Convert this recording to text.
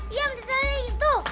iya beneran itu